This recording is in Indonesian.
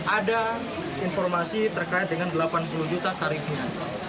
ada informasi terkait dengan delapan puluh juta tarifnya